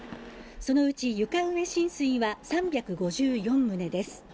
そのうち床上浸水は３５４棟です。